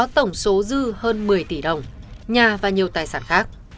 tổng số dư hơn một mươi tỷ đồng nhà và nhiều tài sản khác